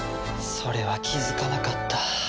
それは気づかなかった。